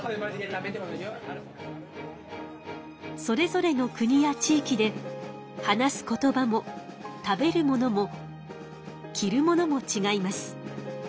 それぞれの国や地いきで話す言葉も食べる物も着る物もちがいます。